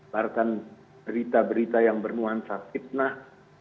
bahkan berita berita yang bernuansa fitnah